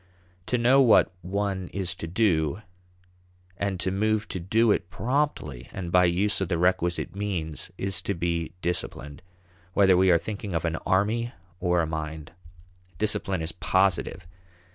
To know what one is to do and to move to do it promptly and by use of the requisite means is to be disciplined, whether we are thinking of an army or a mind. Discipline is positive.